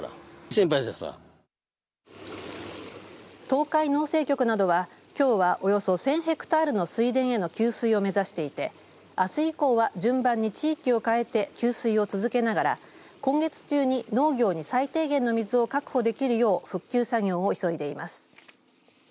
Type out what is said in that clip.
東海農政局などはきょうは、およそ１０００ヘクタールの水田への給水を目指していてあす以降は順番に地域を変えて給水を続けながら今月中に農業に最低限の水を確保できるよう復旧作業を急いでいます。